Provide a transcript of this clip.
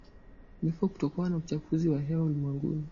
vifo kutokana na uchafuzi wa hewa ulimwenguni